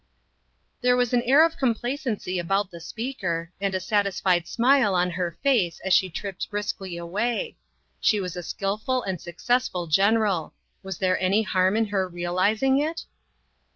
There was an air of complacency about the speaker, and a satisfied smile on her face as she tripped briskly away. She was a skilful and successful general. Was there any harm in her realizing it?